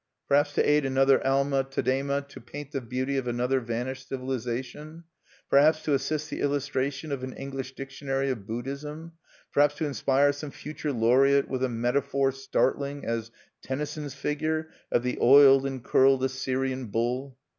Perhaps to aid another Alma Tadema to paint the beauty of another vanished civilization; perhaps to assist the illustration of an English Dictionary of Buddhism; perhaps to inspire some future laureate with a metaphor startling as Tennyson's figure of the "oiled and curled Assyrian bull."